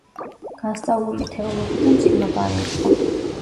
განსწავლული თეოლოგი და მწიგნობარი იყო.